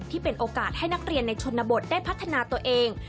ที่เป็นโอกาสให้นักเรียนในชนบทได้พัฒนาตัวเอง